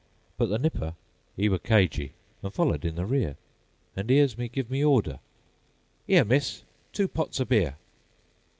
But the nipper 'e were cagy, An' followed in the rear, An' 'ears me give me order:''Ere, miss, two pots o' beer.